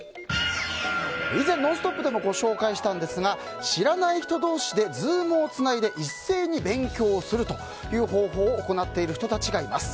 以前、「ノンストップ！」でもご紹介したんですが知らない人同士でＺｏｏｍをつないで一斉に勉強をするという方法を行っている人たちがいます。